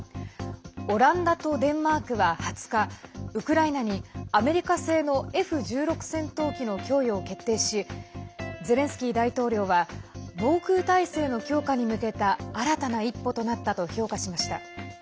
オランダとデンマークは２０日、ウクライナにアメリカ製のＦ１６戦闘機の供与を決定しゼレンスキー大統領は防空体制の強化に向けた新たな一歩となったと評価しました。